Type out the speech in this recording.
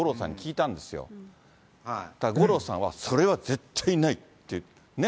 ただ、五郎さんはそれは絶対ないって。ね？